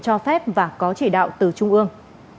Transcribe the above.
cho phép và có chỉ đạo từ trung ương